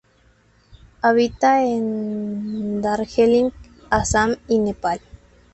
Habita en Darjeeling, Assam y Nepal.